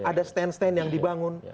ada stand stand yang dibangun